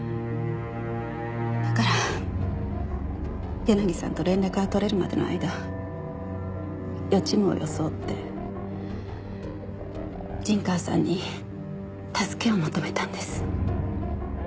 だから柳さんと連絡が取れるまでの間予知夢を装って陣川さんに助けを求めたんです。